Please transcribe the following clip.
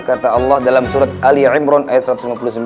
kata allah dalam surat ali remron ayat satu ratus lima puluh sembilan